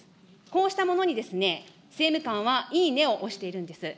こうしたものに、政務官はいいねを押しているんですね。